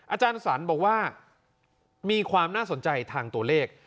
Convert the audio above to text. อาจารย์สรรบอกว่ามีความน่าสนใจทางตัวเลข